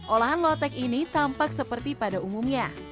olahan lotek ini tampak seperti pada umumnya